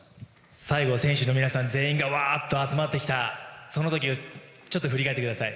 最後選手の皆さん全員が集まってきたその時を振り返ってください。